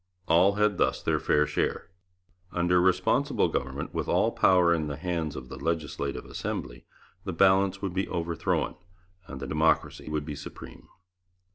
All had thus their fair share. Under Responsible Government, with all power in the hands of the Legislative Assembly, the balance would be overthrown and the democracy would be supreme.